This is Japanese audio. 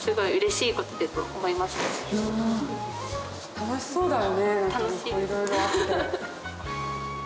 楽しそうだよねいろいろあって。